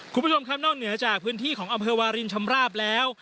คุณผู้ชมครับนอกเหนือจากพื้นที่ของอำเภอวารินชำราบแล้ว